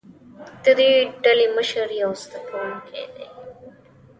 د دې ډلې مشر یو زده کوونکی دی.